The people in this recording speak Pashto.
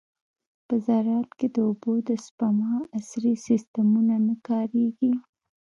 په زراعت کې د اوبو د سپما عصري سیستمونه نه کارېږي.